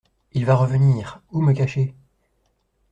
Il va revenir… où me cacher ?